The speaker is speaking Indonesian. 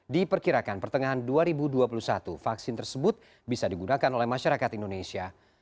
diperkirakan pertengahan dua ribu dua puluh satu vaksin tersebut bisa digunakan oleh masyarakat indonesia